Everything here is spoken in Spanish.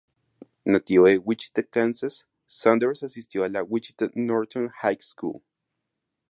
Nativo de Wichita, Kansas, Sanders asistió a la Wichita North High School.